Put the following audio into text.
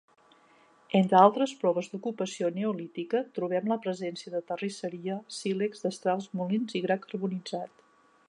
Entre altres proves d'ocupació neolítica trobem la presència de terrisseria, sílex, destrals, molins i gra carbonitzat.